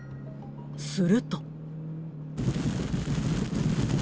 すると。